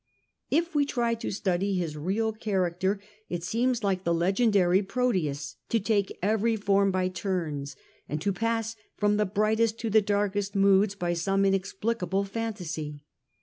If we try to study his real character it seems, like But the legendary Proteus, to take every form by turns, to pass from the brightest to the dark ties were est moods by some inexplicable fantasy.